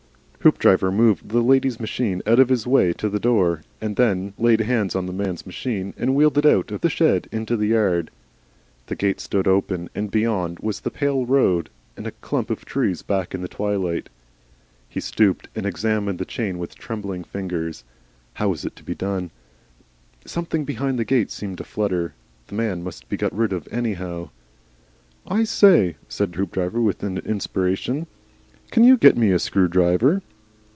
Hoopdriver moved the lady's machine out of his way to the door, and then laid hands on the man's machine and wheeled it out of the shed into the yard. The gate stood open and beyond was the pale road and a clump of trees black in the twilight. He stooped and examined the chain with trembling fingers. How was it to be done? Something behind the gate seemed to flutter. The man must be got rid of anyhow. "I say," said Hoopdriver, with an inspiration, "can you get me a screwdriver?"